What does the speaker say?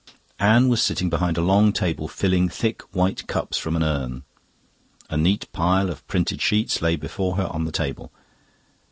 Anne was sitting behind a long table filling thick white cups from an urn. A neat pile of printed sheets lay before her on the table.